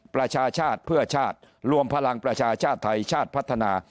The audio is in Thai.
ประชาชาติเพื่อชาติรวมพลังประชาชาติไทยชาติพัฒนา